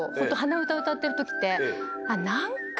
歌ってる時って。